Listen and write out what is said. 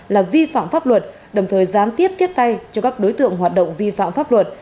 là vi phạm pháp luật đồng thời giám tiếp tiếp tay cho các đối tượng hoạt động vi phạm pháp luật